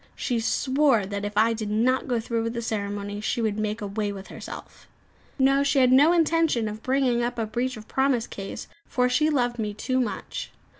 She swore that if I did not go through with the ceremony, she would make away with herself. No; she had no intention of bringing up a breach of promise case, for she loved me too much.